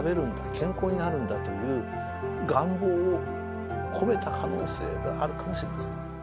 健康になるんだという願望を込めた可能性があるかもしれません。